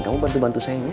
kamu bantu bantu saya nek